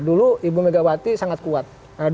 dulu ibu mega wati sangat kuat